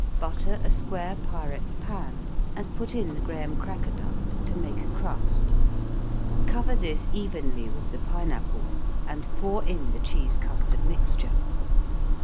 Butter a square Pyrex pan and put in the graham cracker dust to make a crust. Cover this evenly with the pineapple and pour in the cheese custard mixture.